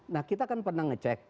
nah kita kan pernah ngecek